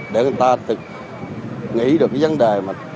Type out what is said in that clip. để người ta nghĩ được cái vấn đề